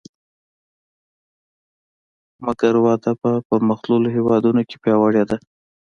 مګر وده په پرمختلونکو هېوادونو کې پیاوړې ده